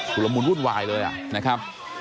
กุลมูลรุ่นวายเลยอะนะครับ